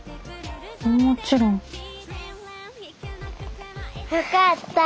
もちろん。よかった。